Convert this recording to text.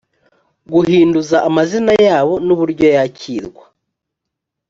guhinduza amazina yabo n’uburyo yakirwa